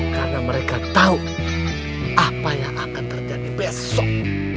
karena mereka tahu apa yang akan terjadi besok